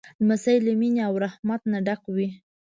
لمسی له مینې او رحمت نه ډک وي.